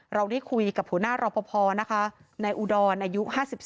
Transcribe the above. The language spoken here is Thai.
เราได้คุยกับหัวหน้ารอปภนะคะนายอุดรอายุ๕๒